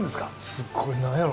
すごいなんやろ。